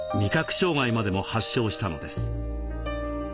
障害までも発症したのです。